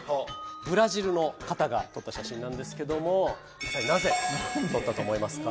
ブラジルの方が撮った写真なんですけども一体なぜ撮ったと思いますか？